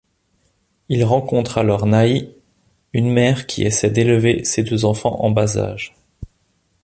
Il rencontre alors Naïe, une mère qui essaye d'élever ses deux enfants en bas-âge.